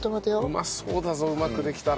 うまそうだぞうまくできたら。